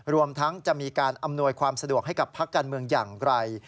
รวมทั้งจะมีการอำนวยความสะดวกให้กับพักการเมืองอย่างไร